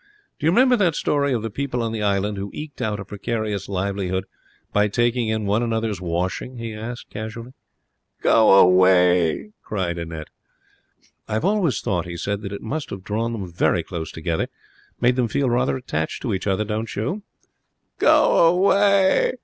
'Do you remember that story of the people on the island who eked out a precarious livelihood by taking in one another's washing?' he asked, casually. 'Go away!' cried Annette. 'I've always thought,' he said, 'that it must have drawn them very close together made them feel rather attached to each other. Don't you?' 'Go away!'